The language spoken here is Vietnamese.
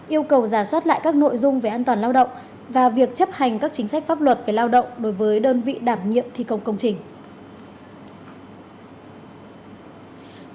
yêu cầu giả soát lại các nội dung về an toàn lao động và việc chấp hành các chính sách pháp luật về lao động đối với đơn vị đảm nhiệm thi công công trình